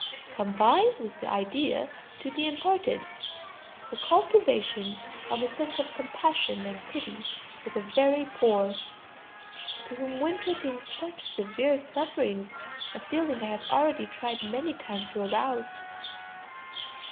] Combine with the idea to be imparted, the cultivation of a sense of compassion and pity for the very poor, to whom winter brings such severe suffering; a feeling I have already tried many times to arouse.